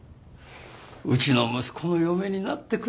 うちの息子の嫁になってくれないかね。